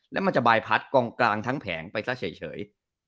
แล้วมันจะบายพัดกองกลางทั้งแผงไปซะเฉย